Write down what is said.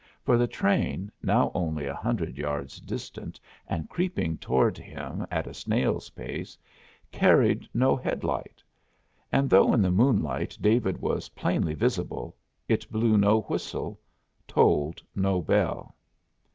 For the train, now only a hundred yards distant and creeping toward him at a snail's pace, carried no headlight, and though in the moonlight David was plainly visible, it blew no whistle, tolled no bell.